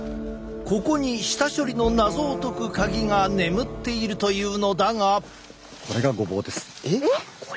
ここに下処理の謎を解く鍵が眠っているというのだが。